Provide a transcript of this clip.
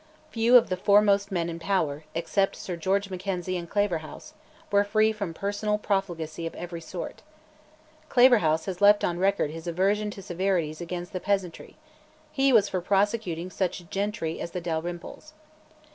Few of the foremost men in power, except Sir George Mackenzie and Claverhouse, were free from personal profligacy of every sort. Claverhouse has left on record his aversion to severities against the peasantry; he was for prosecuting such gentry as the Dalrymples.